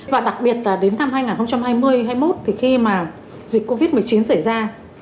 và đặc biệt là đến năm hai nghìn hai mươi hai nghìn hai mươi một thì khi mà dịch covid một mươi chín xảy ra